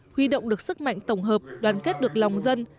huy động được sức mạnh tổng hợp đoàn kết được lòng dân